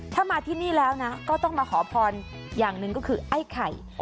ถ้ามาที่นี่แล้วนะก็ต้องมาขอพรอย่างหนึ่งก็คือไอ้ไข่